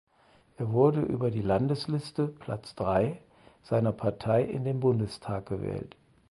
Er wurde über die Landesliste (Platz drei) seiner Partei in den Bundestag gewählt.